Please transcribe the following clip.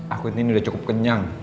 aku ini udah cukup kenyang